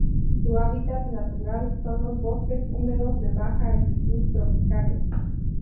Su hábitat natural son los bosques húmedos de baja altitud tropicales.